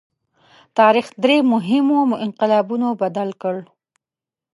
تاریخ درې مهمو انقلابونو بدل کړ.